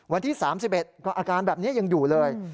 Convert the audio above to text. วันที่๓๑ก็อาการแบบนี้ยังอยู่เลย